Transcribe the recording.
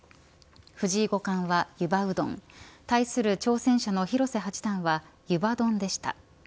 藤井五冠は、ゆばうどん対する挑戦者の広瀬八段はゆば丼でした。